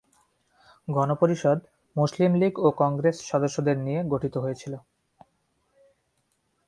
গণপরিষদ মুসলিম লীগ ও কংগ্রেস সদস্যদের নিয়ে গঠিত হয়েছিল।